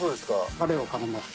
タレをかけます。